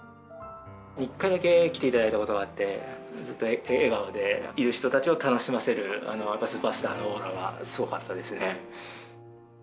１回だけ来ていただいたことがあって、ずっと笑顔で、いる人たちを楽しませる、スーパースターのオーラはすごかったですね。